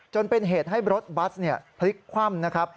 จนเป็นเหตุให้รถบัตรพลิกคว่ำ